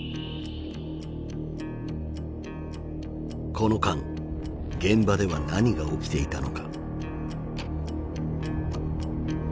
この間現場では何が起きていたのか。